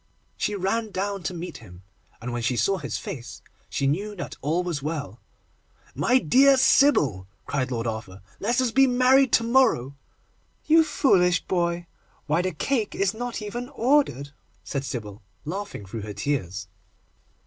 She ran down to meet him, and, when she saw his face, she knew that all was well. 'My dear Sybil,' cried Lord Arthur, 'let us be married to morrow!' 'You foolish boy! Why, the cake is not even ordered!' said Sybil, laughing through her tears.